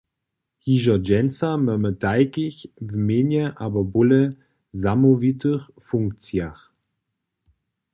Hižo dźensa mamy tajkich w mjenje abo bóle zamołwitych funkcijach.